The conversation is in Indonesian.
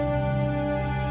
tidak ada masalah